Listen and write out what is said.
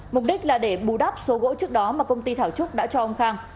mục đích là để bù đắp số gỗ trước đó mà công ty thảo trúc đã cho ông khang